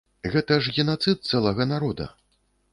Гэта ж генацыд цэлага народа.